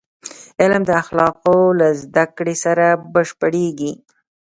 علم د اخلاقو له زدهکړې سره بشپړېږي.